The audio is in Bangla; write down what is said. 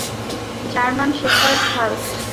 German shepherd, Hulk!